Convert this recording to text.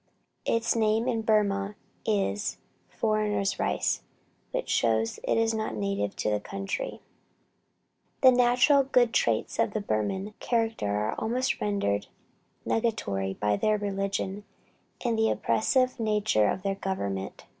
Its name in Burmah is "foreigner's rice," which shows it is not native to the country. The natural good traits of the Burman character are almost rendered nugatory by their religion, and the oppressive nature of their government.